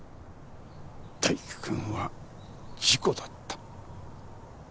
泰生君は事故だった。